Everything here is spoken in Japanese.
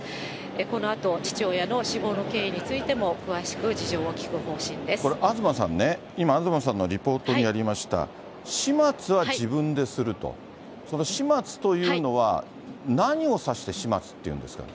このあと父親の死亡の経緯についても、これ東さんね、今、東さんのリポートにありました、始末は自分ですると、その始末というのは、何を指して始末っていうんですかね。